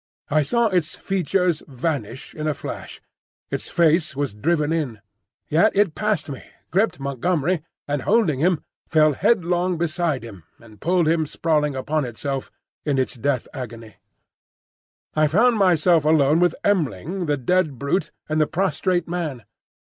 I saw its features vanish in a flash: its face was driven in. Yet it passed me, gripped Montgomery, and holding him, fell headlong beside him and pulled him sprawling upon itself in its death agony. I found myself alone with M'ling, the dead brute, and the prostrate man.